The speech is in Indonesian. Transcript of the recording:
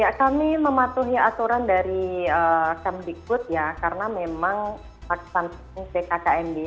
ya kami mematuhi aturan dari kmdikut ya karena memang laksanakan ckkmd